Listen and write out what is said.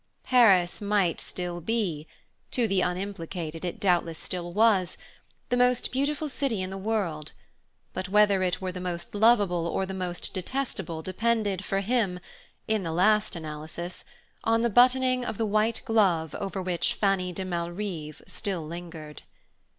Paris might still be to the unimplicated it doubtless still was the most beautiful city in the world; but whether it were the most lovable or the most detestable depended for him, in the last analysis, on the buttoning of the white glove over which Fanny de Malrive still lingered.